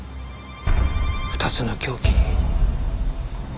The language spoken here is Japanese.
２つの凶器。